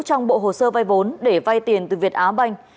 trong bộ hồ sơ vai vốn để vai tiền từ việt á bank